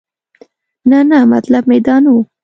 نه نه مطلب مې دا نه و.